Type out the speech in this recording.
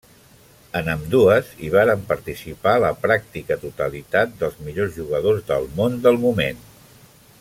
En ambdues, hi varen participar la pràctica totalitat dels millors jugadors del món del moment.